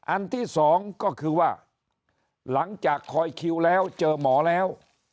อันที่สองก็คือว่าหลังจากคอยคิวแล้วเจอหมอแล้ว